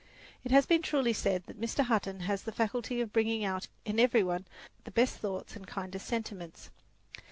It has been truly said that Mr. Hutton has the faculty of bringing out in every one the best thoughts and kindest sentiments.